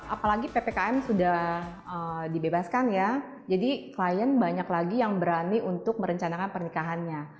apalagi ppkm sudah dibebaskan ya jadi klien banyak lagi yang berani untuk merencanakan pernikahannya